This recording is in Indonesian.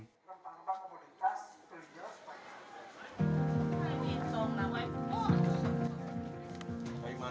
tentang rumah komunitas itu dijelas bagaimana